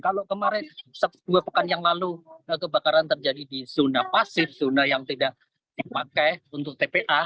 kalau kemarin dua pekan yang lalu kebakaran terjadi di zona pasif zona yang tidak dipakai untuk tpa